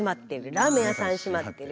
ラーメン屋さん閉まってる。